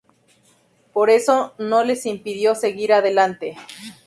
Pero eso no les impidió seguir adelante.